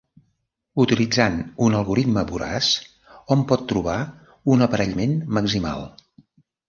Utilitzant un algorisme voraç, hom pot trobar un aparellament maximal.